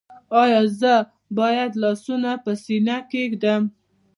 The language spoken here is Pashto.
ایا زه باید لاسونه په سینه کیږدم؟